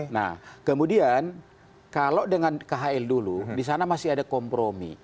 nah kemudian kalau dengan khl dulu di sana masih ada kompromi